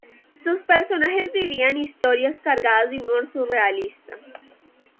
Sus personajes vivían historias cargadas de humor surrealista.